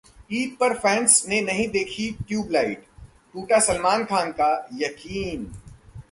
ईद पर फैन्स ने नहीं देखी ट्यूबलाइट, टूटा सलमान खान का 'यकीन'